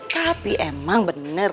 tapi emang bener